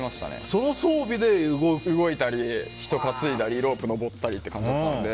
その装備で動いたり人を担いだりロープ登ったりって感じだったので。